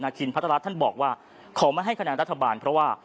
คินพัฒนาท่านบอกว่าขอไม่ให้คะแนนรัฐบาลเพราะว่า